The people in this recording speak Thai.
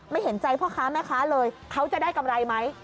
เห็นใจพ่อค้าแม่ค้าเลยเขาจะได้กำไรไหม